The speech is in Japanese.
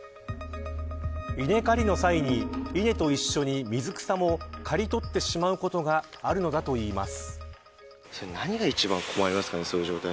稲刈りの際に稲と一緒に水草も刈り取ってしまうことがあるのだといいます。